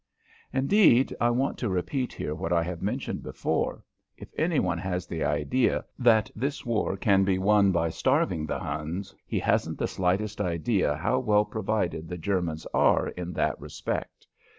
Indeed, I want to repeat here what I have mentioned before: if any one has the idea that this war can be won by starving the Huns, he hasn't the slightest idea how well provided the Germans are in that respect.